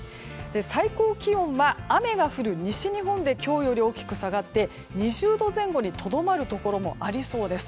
最高気温は、雨が降る西日本で今日より大きく下がって２０度前後にとどまるところもありそうです。